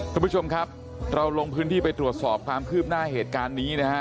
คุณผู้ชมครับเราลงพื้นที่ไปตรวจสอบความคืบหน้าเหตุการณ์นี้นะฮะ